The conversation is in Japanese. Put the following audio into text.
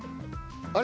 あれ？